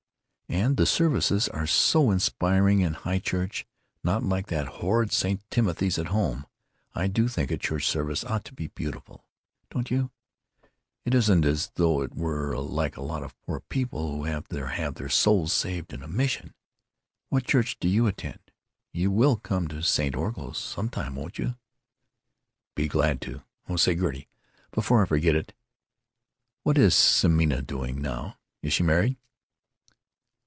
And the services are so inspiring and high church; not like that horrid St. Timothy's at home. I do think a church service ought to be beautiful. Don't you? It isn't as though we were like a lot of poor people who have to have their souls saved in a mission.... What church do you attend? You will come to St. Orgul's some time, won't you?" "Be glad to——Oh, say, Gertie, before I forget it, what is Semina doing now? Is she married?"